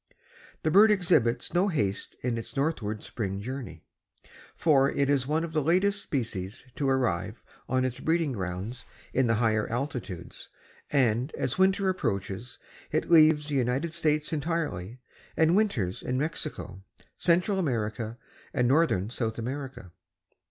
This bird exhibits no haste in its northward spring journey, for it is one of the latest species to arrive on its breeding grounds in the higher latitudes and as winter approaches, it leaves the United States entirely and winters in Mexico, Central America and northern South America.